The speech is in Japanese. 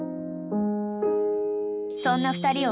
［そんな２人を］